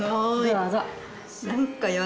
どうぞ。